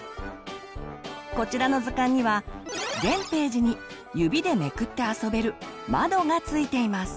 こちらの図鑑には全ページに指でめくって遊べる「まど」がついています。